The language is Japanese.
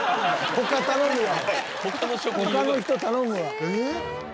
他の人頼むわ。